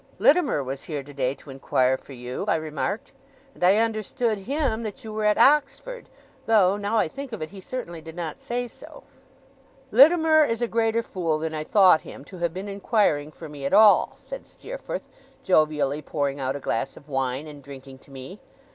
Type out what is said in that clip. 'Littimer was here today, to inquire for you,' I remarked, 'and I understood him that you were at Oxford; though, now I think of it, he certainly did not say so.' 'Littimer is a greater fool than I thought him, to have been inquiring for me at all,' said Steerforth, jovially pouring out a glass of wine, and drinking to me.